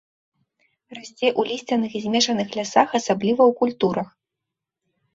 Расце ў лісцяных і змешаных лясах, асабліва ў культурах.